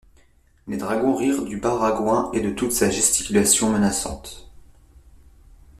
Les dragons rirent du baragouin et de toute sa gesticulation menaçante.